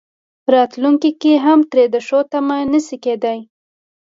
راتلونکي کې هم ترې د ښو تمه نه شي کېدای.